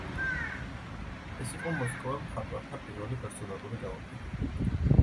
ეს იყო მოსკოველ მხატვართა პირველი პერსონალური გამოფენა.